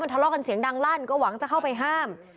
ทะเลาะกันเสียงดังลั่นก็หวังจะเข้าไปห้าม